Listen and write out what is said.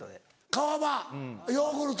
「川場ヨーグルト」。